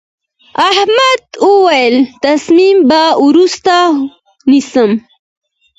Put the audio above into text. احمد وويل: تصمیم به وروسته نیسم.